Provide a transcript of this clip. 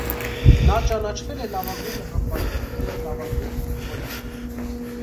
Նա ճանաչվել է լավագույն ռմբարկու և լավագույն ֆուտբոլիստ։